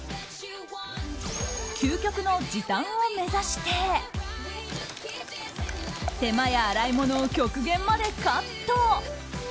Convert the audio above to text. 究極の時短を目指して手間や洗い物を極限までカット。